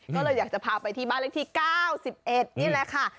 ก็เลยอยากจะพาไปที่บ้านเลขที่๙๑นี่แหละค่ะ